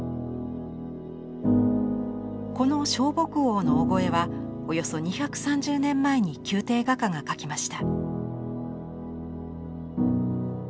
この尚穆王の「御後絵」はおよそ２３０年前に宮廷画家が描きました。